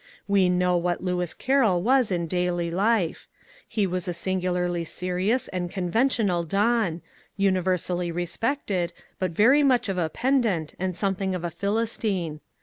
We know what Lewis Carroll was in daily life: he was a singularly serious and conventional don, universally respected, but very much . of a pedant and something of a Philistine.